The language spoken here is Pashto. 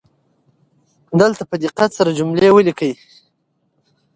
دلته په دقت سره جملې ولیکئ.